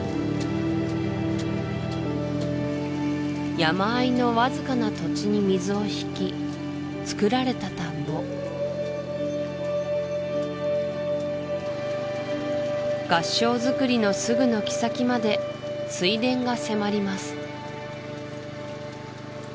山あいのわずかな土地に水を引きつくられた田んぼ合掌造りのすぐ軒先まで水田が迫ります